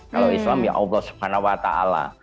kalau islam ya allah subhanahu wa ta'ala